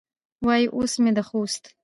وایي اوس مې د خوست